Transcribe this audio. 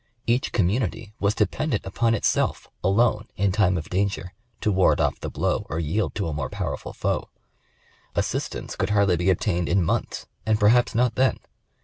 Each community was dependent upon it self, alone, in time of danger, to ward off the blow or yield to a more powerful foe ; assistance could hardly be obtained in months and perhaps not then.